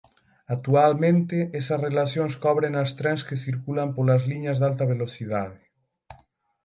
Actualmente esas relacións cóbrenas trens que circulan polas liñas de alta velocidade.